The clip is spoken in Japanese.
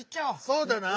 そうだな。